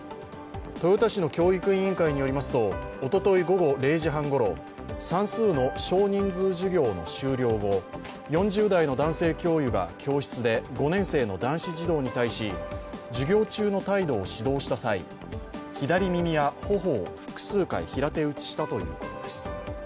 豊田市の教育委員会によりますと、おととい午後０時半ごろ算数の少人数授業の終了後、４０代の男性教諭が教室で５年生の男子児童に対し、授業中の態度を指導した際、左耳や頬を複数回平手打ちしたということです。